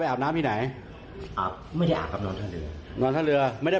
มันไม่มีความคิดคงเหมือนกับเราครับ